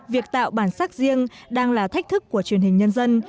việc tạo bản sắc riêng đang là thách thức của truyền hình nhân dân